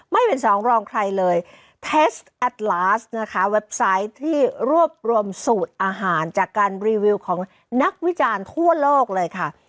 ไม่เป็นสองรองใครเลยเทสแอดลาสนะคะเว็บไซต์ที่รวบรวมสูตรอาหารจากการรีวิวของนักวิจารณ์ทั่วโลกเลยค่ะ